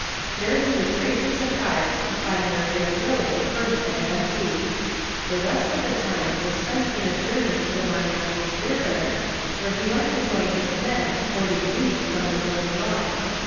There he was greatly sur prised to find their great village burnt and empty. The rest of the time was spent in a journey to the Myamis' river, where he went to join his men forty leagues from the Ilinois.